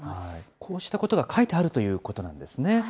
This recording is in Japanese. こうしたことが書いてあるということなんですね。